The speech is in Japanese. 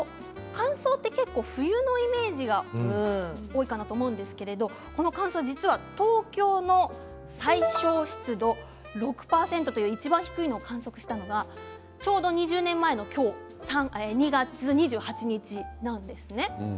乾燥は冬のイメージが多いかなと思うんですけれどこの乾燥実は東京の最小湿度、６％という、いちばん低いのを観測したのがちょうど２０年前の今日２月２８日なんですね。